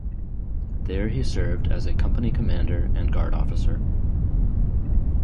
There he served as a company commander and guard officer.